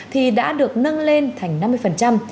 thì đã được nâng lên thành năm mươi